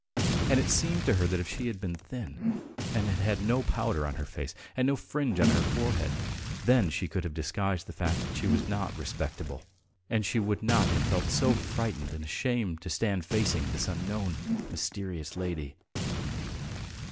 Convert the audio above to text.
And it seemed to her that if she had been thin, and had had no powder on her face and no fringe on her forehead, then she could have disguised the fact that she was not "respectable," and she would not have felt so frightened and ashamed to stand facing this unknown, mysterious lady.